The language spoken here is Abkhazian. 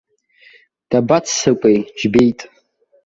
Дабаццакуеи, џьбеит.